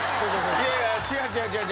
いやいや違う違う。